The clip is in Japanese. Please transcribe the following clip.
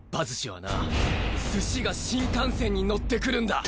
はな寿司が新幹線に乗ってくるんだ。